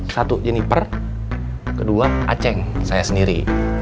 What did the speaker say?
satu jeniper kedua aceng saya sendiri